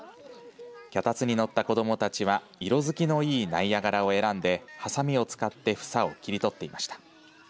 脚立に乗った子どもたちは色づきのいいナイアガラを選んではさみを使って房を切り取っていました。